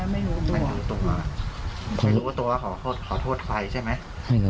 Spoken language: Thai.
ไม่รู้ตัวขอโทษไปใช่ไหม